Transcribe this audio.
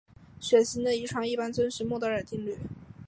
血型的遗传一般遵守孟德尔定律。